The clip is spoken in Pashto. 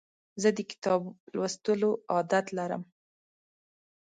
زه د کتاب لوستلو عادت لرم.